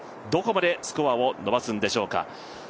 どこまでスコアを伸ばすんでしょうか。